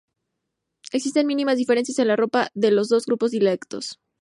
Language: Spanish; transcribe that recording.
Existen mínimas diferencias en la ropa de los dos grupos dialectales.